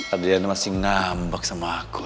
adelina masih ngambak sama aku ya